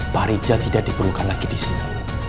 pak rijal tidak diperlukan lagi disini